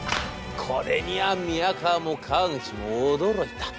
これには宮河も川口も驚いた！